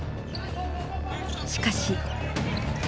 しかし。